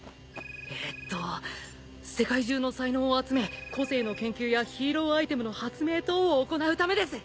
えっと世界中の才能を集め個性の研究やヒーロー・アイテムの発明等を行うためです。